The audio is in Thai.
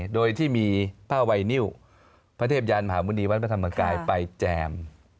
โดยที่มีผ้าไวนิวพระเทพยานมหาหมุณีวัดพระธรรมกายไปแจม